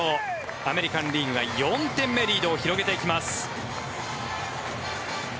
アメリカン・リーグが４点目リードを広げていきます。